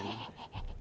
mau kabur lagi